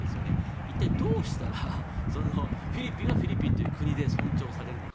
一体、どうしたらフィリピンはフィリピンという国で尊重されるのか。